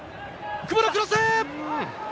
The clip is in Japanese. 久保のクロス！